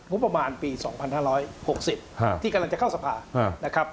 ประมาณปี๒๕๖๐ที่กำลังจะเข้าสภานะครับ